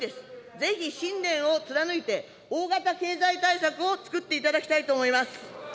ぜひ信念を貫いて、大型経済対策をつくっていただきたいと思います。